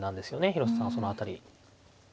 広瀬さんはその辺り。